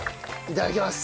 いただきます。